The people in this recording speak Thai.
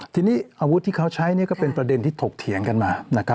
ทีนี้อาวุธที่เขาใช้ก็เป็นประเด็นที่ถกเถียงกันมา